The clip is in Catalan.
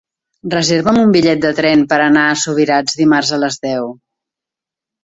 Reserva'm un bitllet de tren per anar a Subirats dimarts a les deu.